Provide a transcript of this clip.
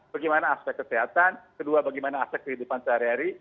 bagaimana aspek kesehatan kedua bagaimana aspek kehidupan sehari hari